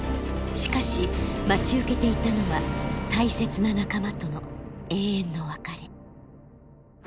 しかし待ち受けていたのは大切な仲間との永遠の別れ。